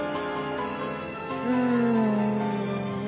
うん。